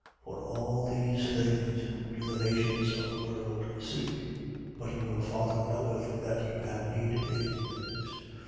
12:30. For all these things do the nations of the world seek. But your Father knoweth that you have need of these things.